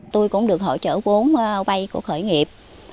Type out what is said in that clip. tôi cũng được hỗ trợ vốn vay của khởi nghiệp